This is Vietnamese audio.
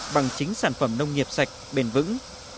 bằng chính sản phẩm nông nghiệp sạch bền vững